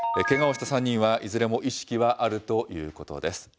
けがをした３人はいずれも意識はあるということです。